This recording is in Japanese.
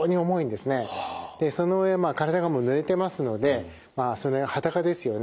でその上体がぬれてますのでその上裸ですよね